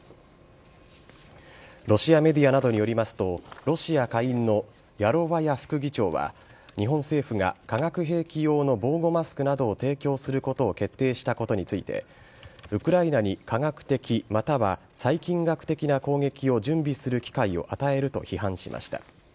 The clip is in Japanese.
ロシアメディアなどによりますとロシア下院のヤロワヤ副議長は日本政府が化学兵器用の防具をマスクなどを提供することを決定したことについてウクライナに化学的、または細菌学的な攻撃を準備する機会を与えると批判しました。